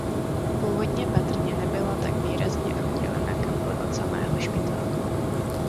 Původně patrně nebyla tak výrazně oddělena kaple od samého špitálu.